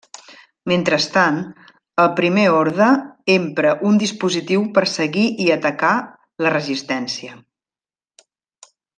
Mentrestant, el Primer Orde empra un dispositiu per seguir i atacar la Resistència.